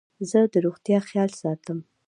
زه د روغتیا خیال ساتم.